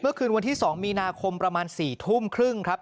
เมื่อคืนวันที่๒มีนาคมประมาณ๔ทุ่มครึ่งครับ